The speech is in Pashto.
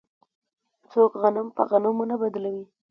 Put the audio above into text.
څوک غنم په غنمو نه بدلوي.